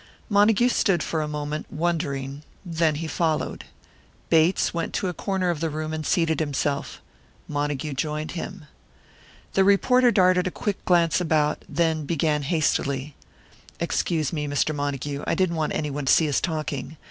Montague stood for a moment, wondering; then he followed. Bates went to a corner of the room and seated himself. Montague joined him. The reporter darted a quick glance about, then began hastily: "Excuse me, Mr. Montague, I didn't want anyone to see us talking.